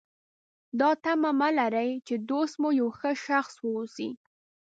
دا تمه مه لرئ چې دوست مو یو ښه شخص واوسي.